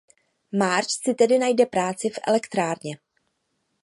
Marge si tedy najde práci v elektrárně.